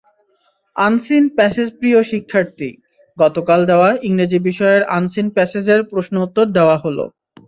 Unseen প্যাসেজপ্রিয় শিক্ষার্থী, গতকাল দেওয়া ইংরেজি বিষয়ের আনসিন প্যাসেজের প্রশ্নোত্তর দেওয়া হলো।